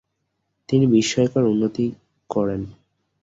তিনি বিস্ময়কর উন্নতি করেন।